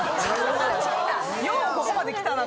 ようここまできたなと。